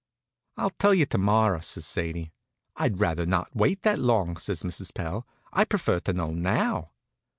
"I'll tell you to morrow," says Sadie. "I'd rather not wait that long," says Mrs. Pell. "I prefer to know now."